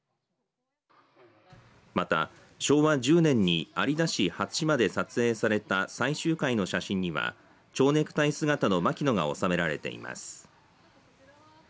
また昭和１０年に有田市初島で撮影された採集会の写真には蝶ネクタイ姿の牧野が納められています。